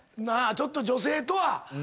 ちょっと女性とは。